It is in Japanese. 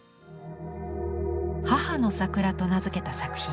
「母の桜」と名付けた作品。